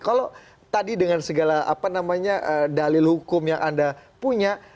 kalau tadi dengan segala dalil hukum yang anda punya